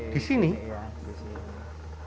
di sini pak